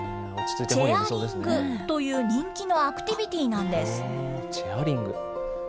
チェアリングという人気のアクティビティなんです。